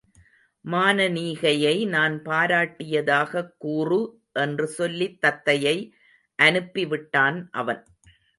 மானனீகையை நான் பாராட்டியதாகக் கூறு என்று சொல்லித் தத்தையை அனுப்பி விட்டான் அவன்.